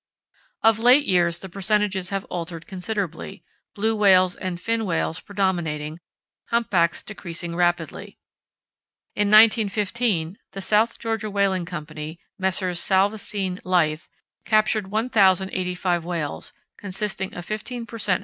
Of late years the percentages have altered considerably, blue whales and fin whales predominating, humpbacks decreasing rapidly. In 1915, the South Georgia Whaling Company (Messrs. Salvesen, Leith) captured 1085 whales, consisting of 15 per cent.